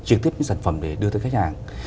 trực tiếp những sản phẩm để đưa tới khách hàng